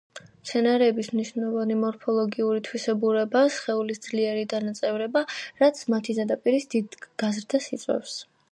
მცენარეების მნიშვნელოვანი მორფოლოგიური თავისებურებაა სხეულის ძლიერი დანაწევრება, რაც მათი ზედაპირის დიდ გაზრდას იწვევს.